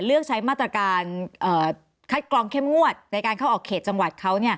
เลือกใช้มาตรการคัดกรองเข้มงวดในการเข้าออกเขตจังหวัดเขา